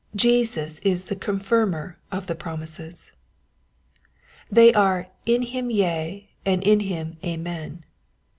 Jesus is the Confirmer of the promises. They are in him yea, and in him Amen.'